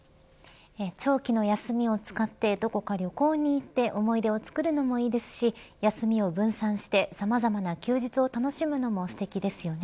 長期の休みを使ってどこか旅行に行って思い出を作るのもいいですし休みを分散してさまざまな休日を楽しむのもすてきですよね。